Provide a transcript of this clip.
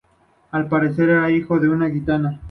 Al parecer era hijo de una gitana.